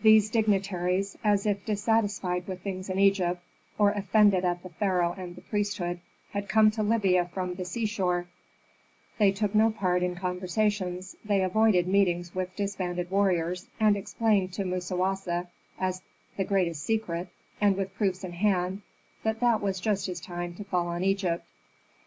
These dignitaries, as if dissatisfied with things in Egypt, or offended at the pharaoh and the priesthood, had come to Libya from the seashore; they took no part in conversations, they avoided meetings with disbanded warriors, and explained to Musawasa, as the greatest secret, and with proofs in hand, that that was just his time to fall on Egypt.